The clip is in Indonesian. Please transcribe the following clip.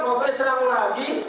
luka isi rambut lagi